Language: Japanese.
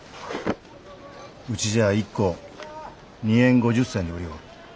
うちじゃあ１個２円５０銭で売りょおる。